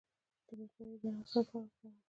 د ممپلی دانه د څه لپاره وکاروم؟